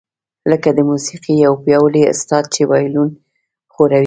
لکه د موسیقۍ یو پیاوړی استاد چې وایلون ښوروي